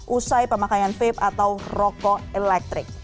usai pemakaian vape atau rokok elektrik